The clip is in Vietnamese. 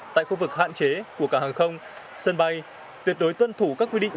tại khu vực hạn chế của cảng hàng không sân bay tuyệt đối tuân thủ các quy định